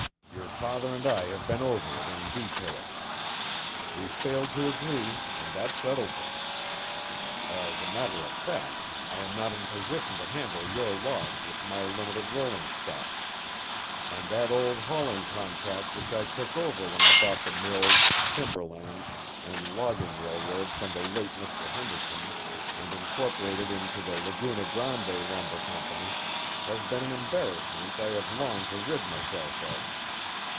Your father and I have been over it in detail; we failed to agree, and that settles it. As a matter of fact, I am not in position to handle your logs with my limited rolling stock, and that old hauling contract which I took over when I bought the mills, timber lands, and logging railroad from the late Mr. Henderson and incorporated into the Laguna Grande Lumber Company, has been an embarrassment I have longed to rid myself of.